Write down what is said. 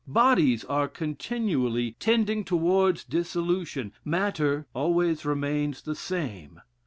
Bodies are continually tending towards dissolution; matter always remains the same.